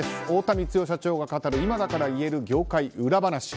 太田光代社長が語る今だから言える業界裏話。